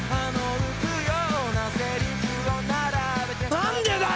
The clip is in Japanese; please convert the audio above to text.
何でだよ！